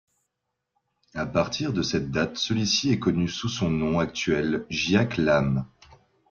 À partir de cette date, celui-ci est connu sous son nom actuel, Giac Lam.